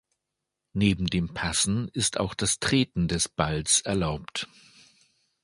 Neben dem Passen ist auch das Treten des Balls erlaubt.